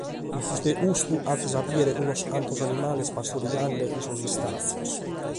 In prus de custu, ais a bìdere unos cantos animales pastorighende in sos istatzos.